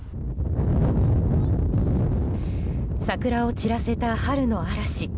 桜を散らせた春の嵐。